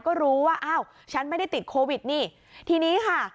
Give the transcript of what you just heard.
ก็รู้ว่าอ้าวฉันไม่ได้ติดโควิดนี่ทีนี้ค่ะ